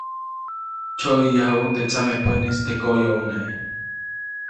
Tsyoʼyäyajuʼuŋ teʼ tsamepäʼnis teʼ koʼyoʼune.